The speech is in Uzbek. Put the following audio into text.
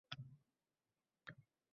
Gap shundaki, bilim berish oson